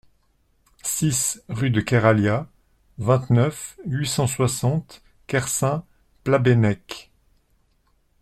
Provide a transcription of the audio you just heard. six route de Keralias, vingt-neuf, huit cent soixante, Kersaint-Plabennec